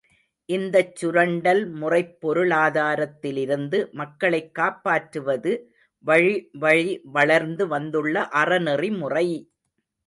இந்தச் சுரண்டல்முறைப் பொருளாதாரத்திலிருந்து மக்களைக் காப்பாற்றுவது வழிவழி வளர்ந்து வந்துள்ள அறநெறிமுறை!